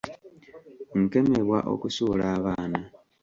Nkemebwa okusuula abaana.